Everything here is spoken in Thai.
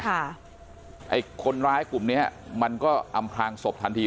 ไอ้คนร้ายกลุ่มเนี้ยมันก็อำพลางศพทันที